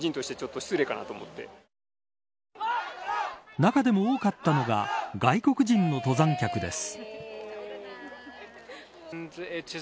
中でも多かったのが外国人の登山客です。